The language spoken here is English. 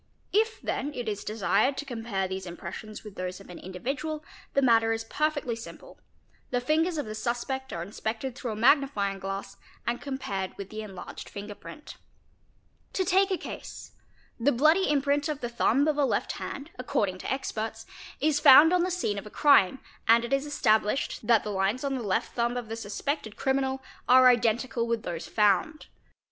If then it is de sired to compare these impressions with those of an individual, the matter is perfectly simple; the fingers of the suspect are inspected through a mag nifying glass and compared with the enlarged finger print, 74 586 TRACES OF BLOOD To take a case: the bloody imprint of the thumb of a left hand (according to experts) is found on the scene of a crime and it is established that the lines on the left thumb of the suspected criminal are identical with those found.